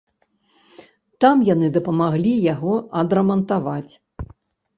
Там яны дапамаглі яго адрамантаваць.